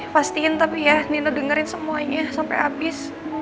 pastiin tapi ya nina dengerin semuanya sampai habis